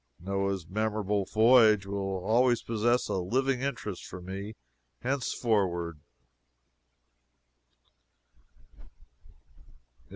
Noah's memorable voyage will always possess a living interest for me, henceforward.